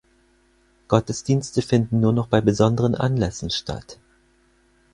Gottesdienste finden nur noch bei besonderen Anlässen statt.